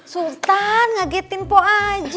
sultan ngagetin po aja